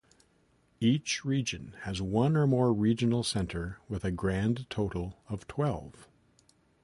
Each region has one or more regional center with a grand total of twelve.